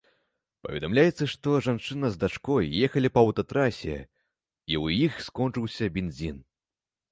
Паведамляецца, што жанчына з дачкой ехалі па аўтатрасе, і ў іх скончыўся бензін.